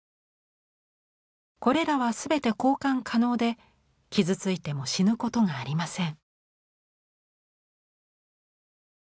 これらは全て交換可能で傷ついても死ぬことがありません。